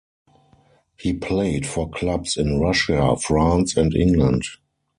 He played for clubs in Russia, France and England.